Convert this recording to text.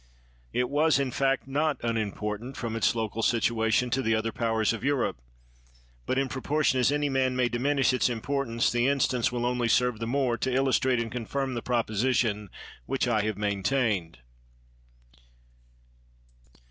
It was in fact not unimportant, from its local situation to the other powers of Europe ; but in proportion as any man may diminish its importance the instance will only serve the more to illustrate and confirm the proposition which I have maintained.